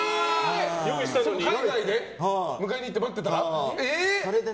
海外で迎えに行って待ってたのに？